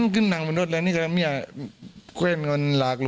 ก็พ่อตาไม่มีปากเสียงให้